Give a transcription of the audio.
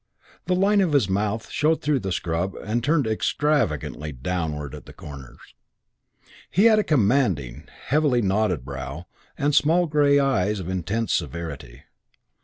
The line of his mouth showed through the scrub and turned extravagantly downwards at the corners. He had a commanding, heavily knobbed brow, and small grey eyes of intense severity.